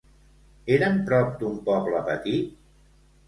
Eren prop d'un poble petit?